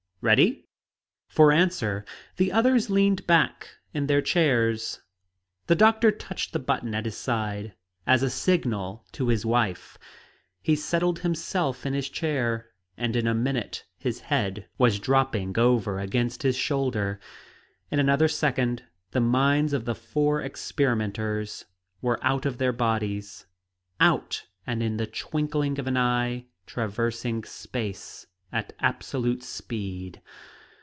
Ready?" For answer the others leaned back in their chairs. The doctor touched the button at his side, as a signal to his wife; he settled himself in his chair; and in a minute his head was dropping over against his shoulder. In another second the minds of the four experimenters were out of their bodies; out, and in the twinkling of an eye, traversing space at absolute speed.